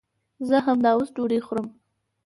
زه همداوس ډوډۍ خورم